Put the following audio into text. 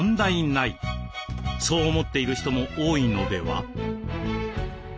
そう思っている人も多いのでは？